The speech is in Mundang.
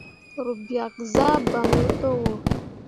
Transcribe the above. Ru biak zah bamme yo towo.